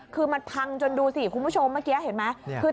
คือมันพังจนดูสิคุณผู้ชมเมื่อกี้เห็นไหม